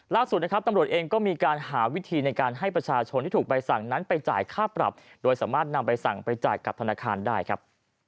ล่าสุดนะครับตำรวจเองก็มีการหาวิธีในการให้ประชาชนที่ถูกใบสั่งนั้นไปจ่ายค่าปรับโดยสามารถนำใบสั่งไปจ่ายกับธนาคารได้ครับ